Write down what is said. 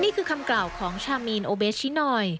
นี่คือคำกล่าวของชามีนโอเบชินอย